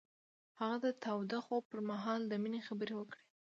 هغه د تاوده خوب پر مهال د مینې خبرې وکړې.